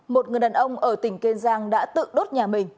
một người đàn ông ở tỉnh kiên giang đã tự đốt nhà mình